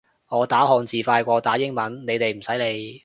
我打漢字快過打英文，你哋唔使理